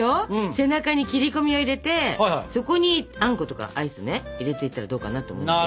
背中に切り込みを入れてそこにあんことかアイスね入れていったらどうかなと思うのよ。